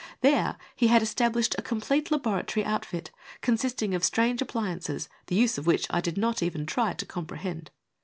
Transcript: There he had established a complete laboratory outfit, consisting of strange appliances, the use of which I did not even try to comprehend.